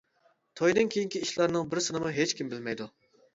تويدىن كېيىنكى ئىشلارنىڭ بىرسىنىمۇ ھېچكىم بىلمەيدۇ.